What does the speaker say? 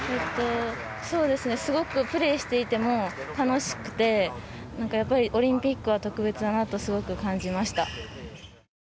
そうですね、すごくプレーしていても楽しくて、なんかやっぱり、オリンピックは特別だなと、すごく感じました。